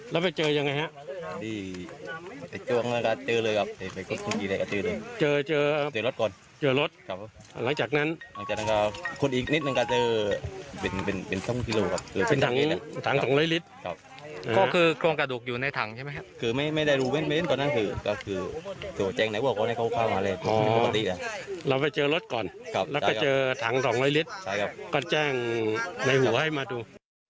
แล้วก็เจอถัง๒๐๐ลิตรก็แจ้งในหูให้มาดู